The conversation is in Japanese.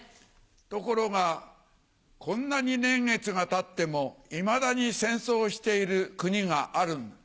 ところがこんなに年月がたってもいまだに戦争をしている国がある。